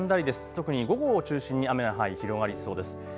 特に午後を中心に雨の範囲、広がりそうです。